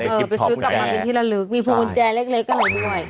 ไปซื้อกลับมาที่ที่ละลึกมีภูมิแจเล็กกันเลยด้วย